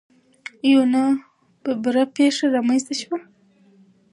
یو نا ببره پېښه رامنځ ته شوه.